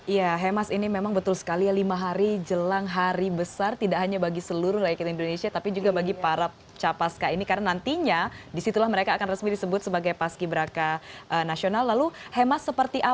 ya hemas ini memang betul sekali lima hari jelang hari besar tidak hanya bagi seluruh rakyat indonesia tapi juga bagi para capat pemerintah indonesia yang berada di indonesia